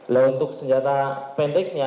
lalu untuk senjata pendeknya